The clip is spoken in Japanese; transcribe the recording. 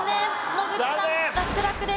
野口さん脱落です。